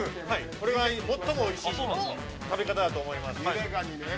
これが最もおいしい食べ方だと思います。